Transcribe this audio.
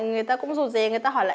người ta cũng rụt rè người ta hỏi là